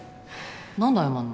何で謝んの？